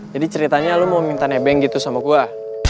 jadi ceritanya lo mau minta nebeng gitu sama gue